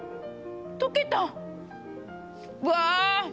溶けたわ！